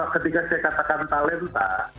ketika saya katakan talenta